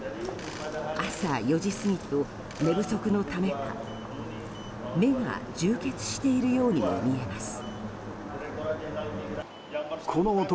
朝４時過ぎと寝不足のためか目が充血しているようにも見えます。